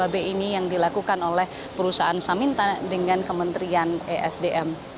b ini yang dilakukan oleh perusahaan saminta dengan kementerian esdm